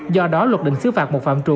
do đó luật định xử phạt một phạm trù